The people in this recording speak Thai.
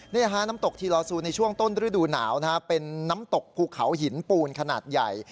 น้ำตกทีลอซูในช่วงต้นฤดูหนาวเป็นน้ำตกภูเขาหินปูนขนาดใหญ่